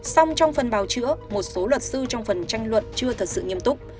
xong trong phần bào chữa một số luật sư trong phần tranh luận chưa thật sự nghiêm túc